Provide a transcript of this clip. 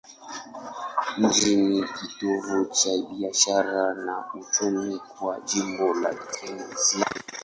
Mji ni kitovu cha biashara na uchumi kwa jimbo la Queensland.